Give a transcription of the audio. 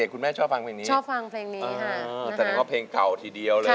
คนของมาโชเครียม